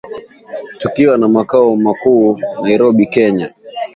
Tukiwa na Makao Makuu Nairobi Kenya